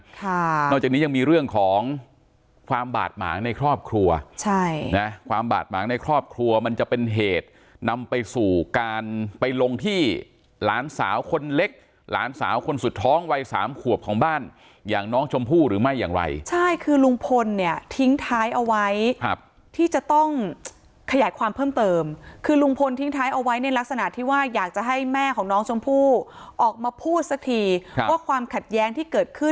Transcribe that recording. ค่ะนอกจากนี้ยังมีเรื่องของความบาดหมางในครอบครัวใช่นะความบาดหมางในครอบครัวมันจะเป็นเหตุนำไปสู่การไปลงที่หลานสาวคนเล็กหลานสาวคนสุดท้องวัยสามขวบของบ้านอย่างน้องชมพู่หรือไม่อย่างไรใช่คือลุงพลเนี่ยทิ้งท้ายเอาไว้ครับที่จะต้องขยายความเพิ่มเติมคือลุงพลทิ้งท้ายเอาไว้ในลักษณะที่ว่าอยากจะให้แม่ของน้องชมพู่ออกมาพูดสักทีครับว่าความขัดแย้งที่เกิดขึ้น